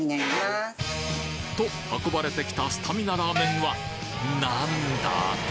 と運ばれてきたスタミナラーメンはなんだ？